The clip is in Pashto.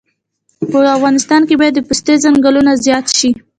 په افغانستان کې باید د پستې ځنګلونه زیات شي